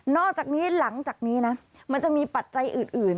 อกจากนี้หลังจากนี้นะมันจะมีปัจจัยอื่น